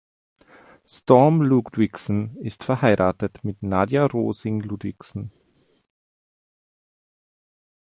Storm Ludvigsen ist verheiratet mit Naja Rosing Ludvigsen.